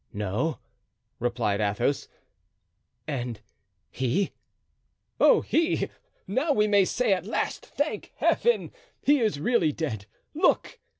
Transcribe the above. "No," replied Athos; "and he——" "Oh, he! now we may say at last, thank Heaven! he is really dead. Look!"